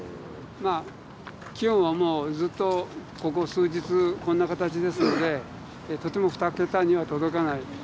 気温はもうずっとここ数日こんな形ですのでとても２桁には届かない。